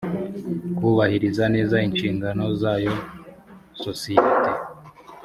kubahiriza neza inshigano zayo sosiyete